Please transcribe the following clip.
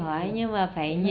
khỏi nhưng mà phải nhiều